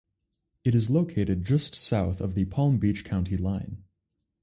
It is located just south of the Palm Beach County line.